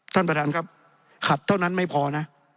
ท่านประธานครับขัดเท่านั้นไม่พอนะ